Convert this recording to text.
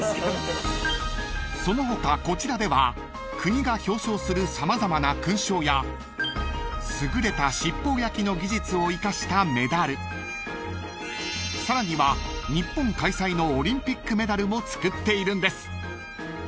［その他こちらでは国が表彰する様々な勲章や優れた七宝焼の技術を生かしたメダルさらには日本開催のオリンピックメダルも造っているんです］